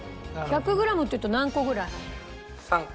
１００グラムっていうと何個ぐらい？